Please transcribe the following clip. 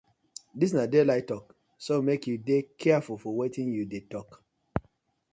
Dis na daylight tok so mek yu dey carfull for wetin yu dey tok.